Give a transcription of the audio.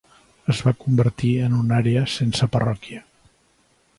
Es va convertir en una àrea sense parròquia.